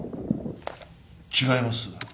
違います。